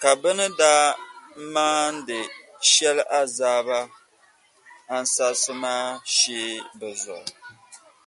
ka bɛ ni daa maandi shɛli azaaba ansarsi maa shee bɛ zuɣu.